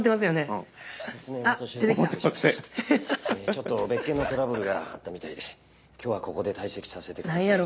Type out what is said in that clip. ちょっと別件のトラブルがあったみたいで今日はここで退席させてください。